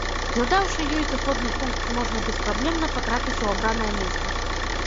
Задаўшы ёй зыходны пункт можна беспраблемна патрапіць у абранае месца.